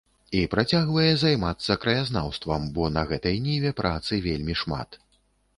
І працягвае займацца краязнаўствам, бо на гэтай ніве працы вельмі шмат.